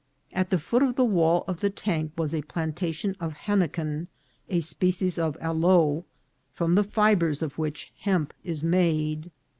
At the foot of the wall of the tank was a plantation of henniken, a species of aloe, from the fibres of which hemp is made.